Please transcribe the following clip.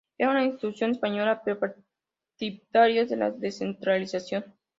Era una institución españolista pero partidarios de la descentralización.